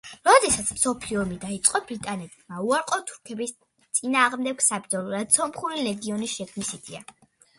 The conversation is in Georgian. როდესაც მსოფლიო ომი დაიწყო, ბრიტანეთმა უარყო თურქების წინააღმდეგ საბრძოლველად სომხური ლეგიონის შექმნის იდეა.